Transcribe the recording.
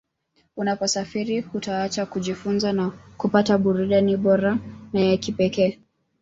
Unaposafiri hutaacha kujifunza na kupata burudani bora na ya kipekee